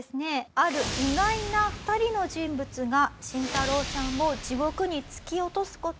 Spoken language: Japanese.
ある意外な２人の人物がシンタロウさんを地獄に突き落とす事になります。